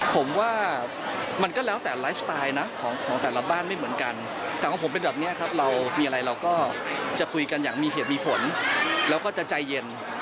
ผมว่ามันก็แล้วแต่ไลฟ์สไตล์นะของแต่ละบ้านไม่เหมือนกันแต่ว่าผมเป็นแบบนี้ครับเรามีอะไรเราก็จะคุยกันอย่างมีเหตุมีผลแล้วก็จะใจเย็น